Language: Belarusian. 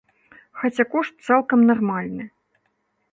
Хаця кошт цалкам нармальны.